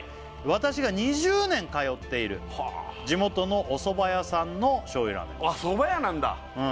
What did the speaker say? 「私が２０年通っている地元のおそば屋さんの」「醤油ラーメン」そば屋なんだ